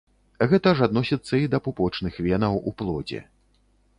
Гэта ж адносіцца і да пупочных венаў у плодзе.